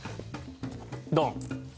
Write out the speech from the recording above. ドン！